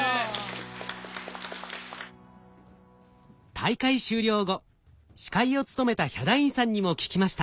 大会終了後司会を務めたヒャダインさんにも聞きました。